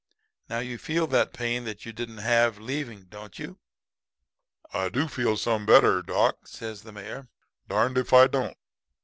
Now you feel the pain that you didn't have leaving, don't you?' "'I do feel some little better, doc,' says the Mayor, 'darned if I don't.